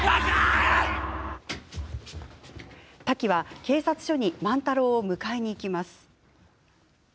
タキは警察署に万太郎を迎えに行きます。